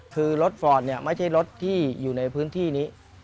คือรถฟอร์ดเนี่ยไม่ใช่รถที่อยู่ในพื้นที่นี้